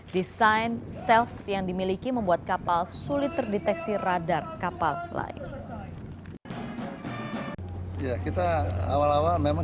desain stelf yang dimiliki membuat kapal sulit terdeteksi radar kapal lain